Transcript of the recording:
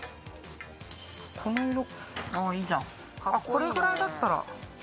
これぐらいだったら。